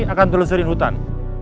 akan telusurin hutan